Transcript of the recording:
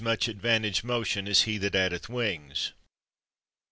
50 PYM much advantage motion, as he that addeth wings.